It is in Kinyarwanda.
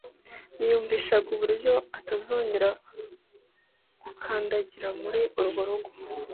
ntiyumvishaga uburyo atazongera gukandagira muri urwo rugo